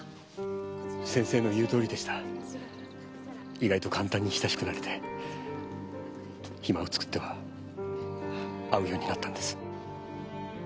意外と簡単に親しくなれて暇を作っては会うようになったんです。